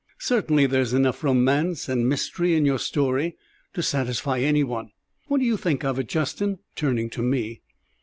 "Certainly there is enough romance and mystery in your story to satisfy any one. What do you think of it, Justin?" turning to me.